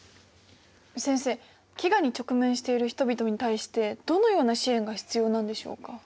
先生飢餓に直面している人々に対してどのような支援が必要なんでしょうか？